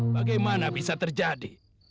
bagaimana bisa terjadi